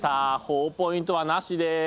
ほぉポイントはなしです。